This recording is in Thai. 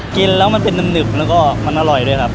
กินแล้วมันเป็นหนึบแล้วก็มันอร่อยด้วยครับ